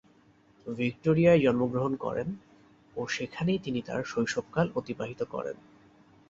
ভিক্টোরিয়ায় জন্মগ্রহণ করেন ও সেখানেই তিনি তার শৈশবকাল অতিবাহিত করেন।